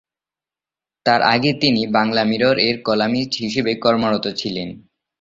তার আগে তিনি "বাংলা মিরর"-এর কলামিস্ট হিসেবে কর্মরত ছিলেন।